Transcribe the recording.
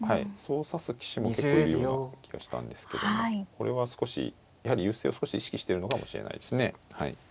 そう指す棋士も結構いるような気がしたんですけどもこれは少しやはり優勢を少し意識してるのかもしれないですね。